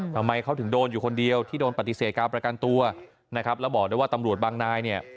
ทำไมเขาถึงโดนอยู่คนเดียวที่โดนปฏิเสธการประกันตัวนะครับแล้วบอกได้ว่าตำรวจบางนายเนี่ย